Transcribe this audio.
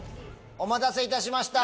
お待たせいたしました！